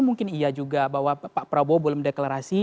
mungkin iya juga bahwa pak prabowo belum deklarasi